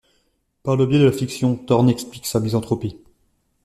Par le biais de la fiction, Thorne exprime sa misanthropie.